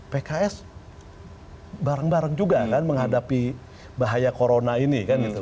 pks bareng bareng juga kan menghadapi bahaya corona ini